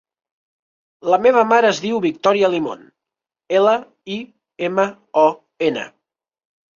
La meva mare es diu Victòria Limon: ela, i, ema, o, ena.